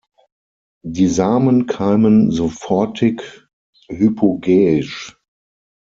Die Samen keimen sofortig-hypogäisch.